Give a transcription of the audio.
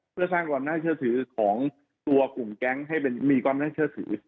เพื่อสร้างความน่าเชื่อถือของตัวกลุ่มแก๊งให้มีความน่าเชื่อถือ